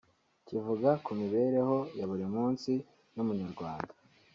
kivuga ku mibereho ya buri munsi y’Umunyarwanda